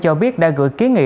cho biết đã gửi ký nghị